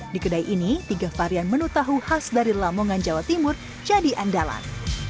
di kedai ini tiga varian menu tahu khas dari lamongan jawa timur jadi andalan